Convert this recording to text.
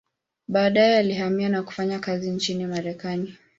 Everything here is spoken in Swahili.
Baadaye alihamia na kufanya kazi nchini Marekani.